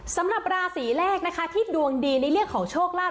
สำหรับราศีแรกนะคะที่ดวงดีในเรื่องของโชคลาภ